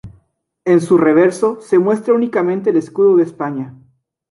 En su reverso se muestra únicamente el escudo de España.